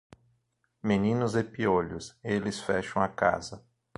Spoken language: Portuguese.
Meninos e piolhos, eles fecham a casa.